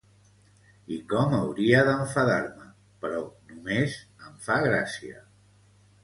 I com hauria d'enfadar-me, però només em fa gràcia.